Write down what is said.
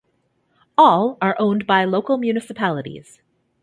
All are owned by local municipalities.